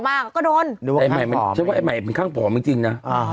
ไอ้ใหม่เป็นข้างผ่องจริงนะ